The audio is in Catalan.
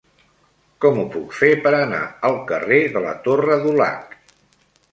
Com ho puc fer per anar al carrer de la Torre Dulac?